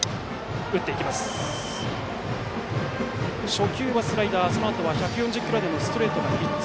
初球はスライダー、そのあとは１４０キロ台のストレートを３つ。